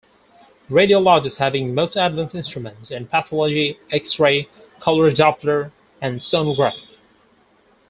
Radiologist having most advanced instruments in pathology, X-ray, Colour Doppler and Sonography.